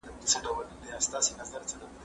کېدای سي لوښي نم وي!